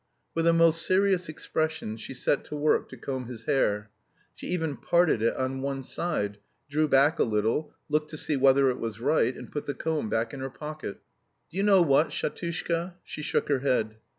With a most serious expression she set to work to comb his hair. She even parted it on one side; drew back a little, looked to see whether it was right and put the comb back in her pocket. "Do you know what, Shatushka?" She shook her head.